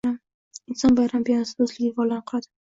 Inson bayrami binosida do'stlik devorlarni quradi